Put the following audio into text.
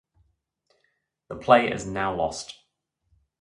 The play is now lost.